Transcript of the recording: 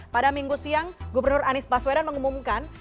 pada minggu siang gubernur anies baswedan mengumumkan